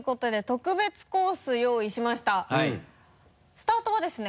スタートはですね